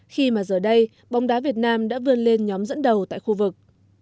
khi mà giờ đây bóng đá việt nam đã vươn lên nhóm dẫn đầu tại khu vực